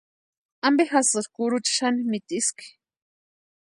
¿Ampe jasïri kurucha xani mitiski?